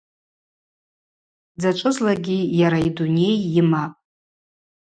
Дзачӏвызлакӏгьи йара йдуней йымапӏ.